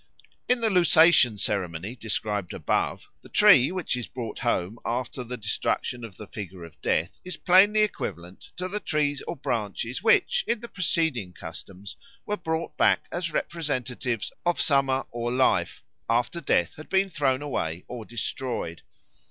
In the Lusatian ceremony described above, the tree which is brought home after the destruction of the figure of Death is plainly equivalent to the trees or branches which, in the preceding customs, were brought back as representatives of Summer or Life, after Death had been thrown away or destroyed.